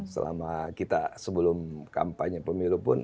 selama kita sebelum kampanye pemilu pun